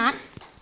awi suka awi